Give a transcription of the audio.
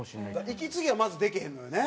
息継ぎがまずできへんのよね。